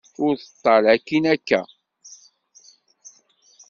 Ur teṭṭal akkin akka.